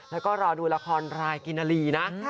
แล้วก็รอดูละครหรายกินทรีย์นะ